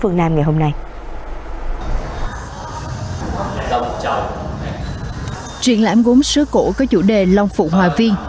chuyện lãm gốm sứ cổ có chủ đề long phụ hòa viên